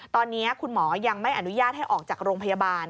ตอนนี้คุณหมอยังไม่อนุญาตให้ออกจากโรงพยาบาล